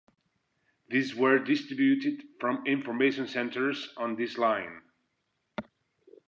These were distributed from information centers on this line.